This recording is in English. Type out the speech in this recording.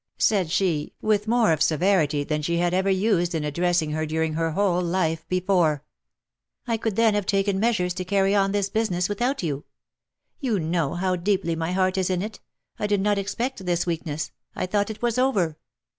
said she, with more of severity than she had ever used in addressing her during her whole life before, " I could then have taken measures to carry on this business without you. You know how deeply my heart is in it — I did not expect this weakness — I thought it was over!"